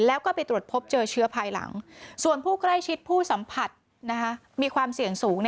แล้วก็ไปตรวจพบเจอเชื้อภายหลังส่วนผู้ใกล้ชิดผู้สัมผัสมีความเสี่ยงสูง